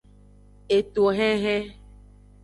Etohenhen.